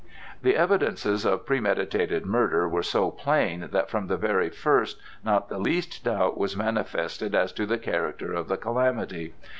The evidences of premeditated murder were so plain that from the very first not the least doubt was manifested as to the character of the calamity.